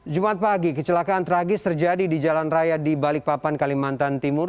jumat pagi kecelakaan tragis terjadi di jalan raya di balikpapan kalimantan timur